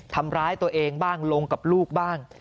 ทำร้ายตัวเองบ้างลงกับลูกบ้าง